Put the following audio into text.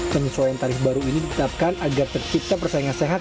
penyesuaian tarif baru ini ditetapkan agar tercipta persaingan sehat